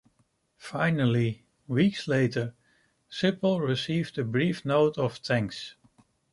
Finally, weeks later, Sipple received a brief note of thanks.